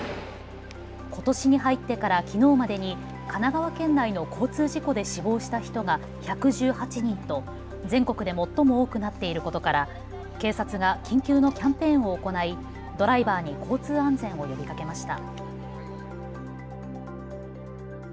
ことしに入ってからきのうまでに神奈川県内の交通事故で死亡した人が１１８人と全国で最も多くなっていることから警察が緊急のキャンペーンを行いドライバーに交通安全を呼びかけました。